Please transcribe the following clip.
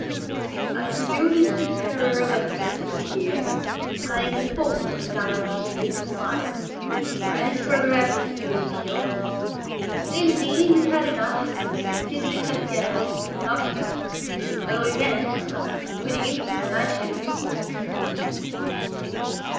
"I presume it is supererogatory to seek here" (eying the folds of the garment with a bitter smile) "for any farther evidence of your skill. Indeed, we have had enough. You will see the necessity, I hope, of quitting Oxford at all events, of quitting instantly my chambers."